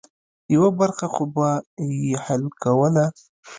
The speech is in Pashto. یوه برخه خو به یې حل کوله.